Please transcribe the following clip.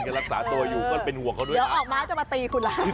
ก็รักษาตัวอยู่ก็เป็นห่วงเขาด้วยเดี๋ยวออกมาจะมาตีคุณล่ะ